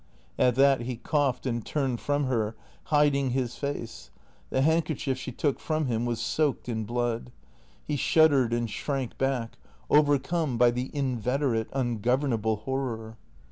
At that he coughed and turned from her, hiding his face. The handkerchief she took from him was soaked in blood. He shuddered and shrank back, overcome by the inveterate, ungov ernable horror.